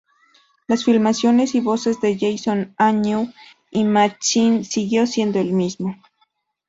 Las filmaciones y voces de Jason Agnew y Matt Chin siguió siendo el mismo.